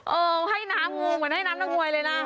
เออให้น้ำหมูเหมือนให้น้ำน้ำมวยเลยนะ